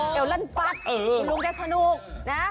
เอวลั่นฟัดคุณลุงได้สนุกนะ